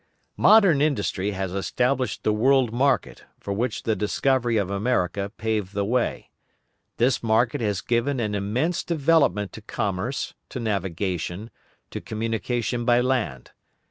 Modern industry has established the world market, for which the discovery of America paved the way. This market has given an immense development to commerce, to navigation, to communication by land.